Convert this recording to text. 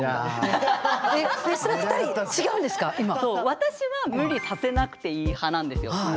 私は無理させなくていい派なんですよ。